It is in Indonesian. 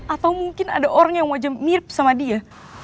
atau mungkin ada orang yang wajah mirip sama dia